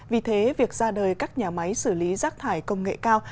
vì thế việc ra đời các nhà máy xử lý rác thải công nghệ cao